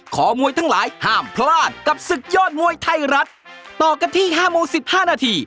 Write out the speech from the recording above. มวยทั้งหลายห้ามพลาดกับศึกยอดมวยไทยรัฐต่อกันที่๕โมง๑๕นาที